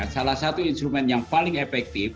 salah satu instrumen yang paling efektif